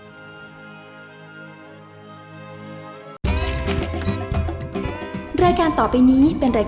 ข้าพระพุทธเจ้าคณะผู้บริหารและพนักงานในเครือไทยรัฐ